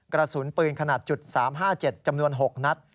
กระสุนปืนขนาด๓๕๗จำนวน๖นัด